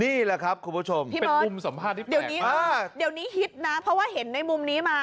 กล้าเก้าไกลการสัมภาษณ์นักการเมืองไทยไม่เหมือนเดิม